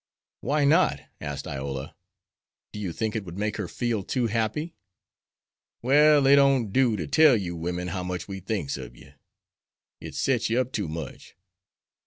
"Why not?" asked Iola. "Do you think it would make her feel too happy?" "Well, it don't do ter tell you women how much we thinks ob you. It sets you up too much.